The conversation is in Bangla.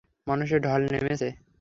মানুষের ঢল নেমেছে।